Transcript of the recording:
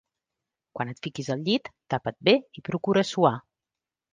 Quan et fiquis al llit, tapa't bé i procura suar.